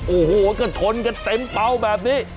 โอ้โหก็ชนกันเต็มเปล่าแบบนี้